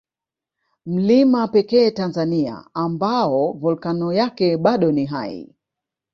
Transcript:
Mlima pekee Tanzania ambao Volkano yake bado ni hai